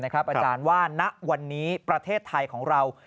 อาจารย์ว่าณวันนี้ประเทศไทยของเรา